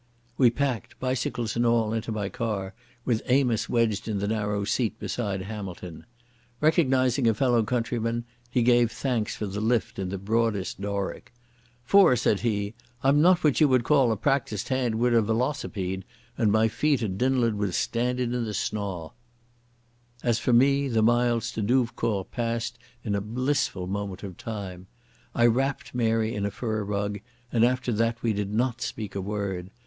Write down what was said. We packed, bicycles and all, into my car with Amos wedged in the narrow seat beside Hamilton. Recognizing a fellow countryman, he gave thanks for the lift in the broadest Doric. "For," said he, "I'm not what you would call a practised hand wi' a velocipede, and my feet are dinnled wi' standin' in the snaw." As for me, the miles to Douvecourt passed as in a blissful moment of time. I wrapped Mary in a fur rug, and after that we did not speak a word.